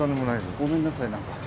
ごめんなさい何か。